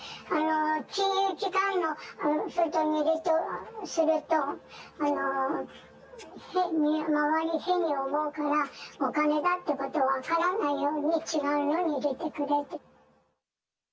金融機関の封筒に入れてすると、周り、変に思うから、お金だということを分からないように、違うのに入れてくれって。